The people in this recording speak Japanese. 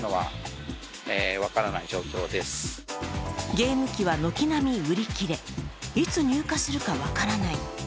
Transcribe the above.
ゲーム機は軒並み売り切れ、いつ入荷するか分からない。